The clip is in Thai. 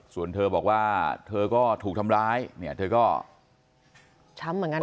ส่วนเธอบอกว่าเธอก็ถูกทำร้ายเนี่ยเธอก็ช้ำเหมือนกัน